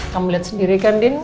kamu lihat sendiri kan din